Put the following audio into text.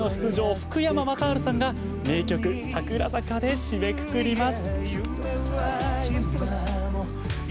福山雅治さんが名曲「桜坂」で締めくくります。